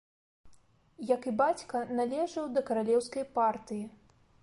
Як і бацька, належыў да каралеўскай партыі.